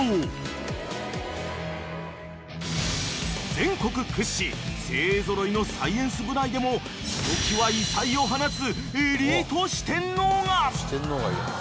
［全国屈指精鋭揃いのサイエンス部内でもひときわ異彩を放つ］